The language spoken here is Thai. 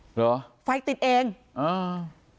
เหรอไฟติดเองอ่า